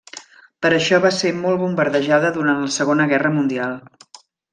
Per això va ser molt bombardejada durant la Segona Guerra Mundial.